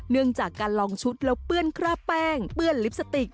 เนื่องจากการลองชุดแล้วเปื้อนคราบแป้งเปื้อนลิปสติก